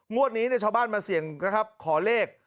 งวดนี้เดี๋ยวเฉอบ้านมาเสี่ยงขอเลข